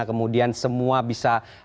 kemudian semua bisa